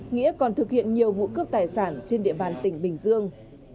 nghĩa còn thực hiện nhiều vụ cướp tài sản trên địa bàn tỉnh bình dương